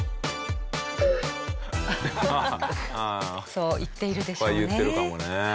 そう言っているでしょうね。